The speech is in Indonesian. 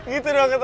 gitu doang ketawa